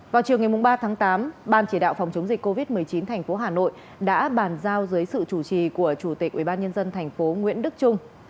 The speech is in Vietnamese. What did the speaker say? vào chiều ngày ba tháng tám ban chỉ đạo phòng chống dịch covid một mươi chín thành phố hà nội đã bàn giao dưới sự chủ trì của chủ tịch ubnd tp nguyễn đức trung